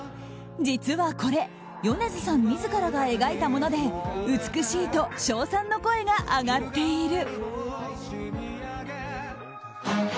実は、これ米津さん自らが描いたもので美しいと称賛の声が上がっている。